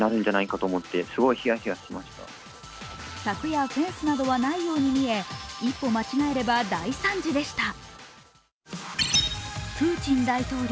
柵やフェンスなどはないように見え一歩間違えれば大惨事でした。